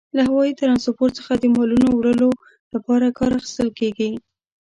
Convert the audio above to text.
له هوايي ترانسپورت څخه د مالونو وړلو لپاره کار اخیستل کیږي.